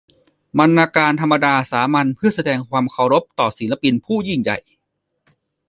บรรณาการธรรมดาสามัญเพื่อแสดงความเคารพต่อศิลปินผู้ยิ่งใหญ่